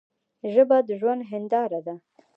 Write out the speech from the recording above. ژبه د ژوند هنداره ده.